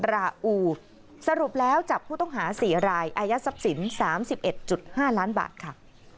ราอูสรุปแล้วจับผู้ต้องหาสี่รายอายุทรัพย์สับสินสามสิบเอ็ดจุดห้าล้านบาทค่ะ